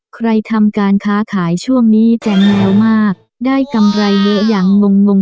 ใครทำการค้าขายช่วงนี้เต็มแนวมากได้กำไรเยอะอย่างงง